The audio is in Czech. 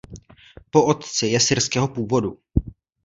Po otci je syrského původu.